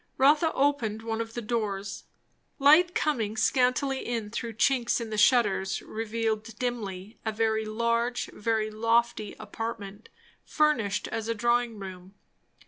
Rotha opened one of the doors. Light coming scantily in through chinks in the shutters revealed dimly a very large, very lofty apartment, furnished as a drawing room.